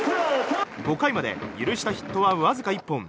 ５回まで許したヒットはわずか１本。